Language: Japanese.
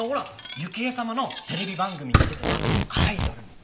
雪絵様のテレビ番組に出てたアイドルの子！